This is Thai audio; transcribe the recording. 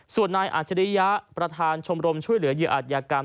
ส่วนนายอาจริยะประธานชมรมช่วยเหลือเหยื่ออาจยากรรม